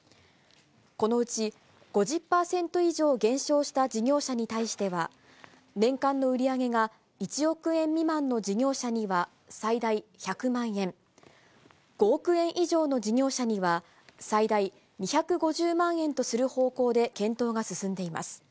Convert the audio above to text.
このうち、５０％以上減少した事業者に対しては、年間の売り上げが１億円未満の事業者には最大１００万円、５億円以上の事業者には最大２５０万円とする方向で検討が進んでいます。